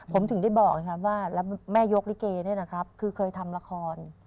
ผมถึงได้บอกนะครับว่าแล้วแม่ยกลิเกเนี่ยนะครับคือเคยทำละคร